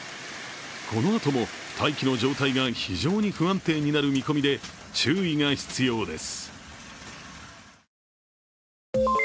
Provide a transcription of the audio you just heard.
このあとも大気の状態が非常に不安定になる見込みで、注意が必要です。